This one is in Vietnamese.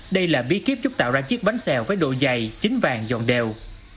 đây là bí kiếp chúc tạo ra chiếc bánh xèo với độ dày chín vàng giòn đều